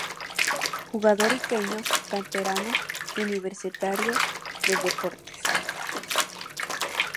Jugador iqueño, canterano de Universitario de Deportes.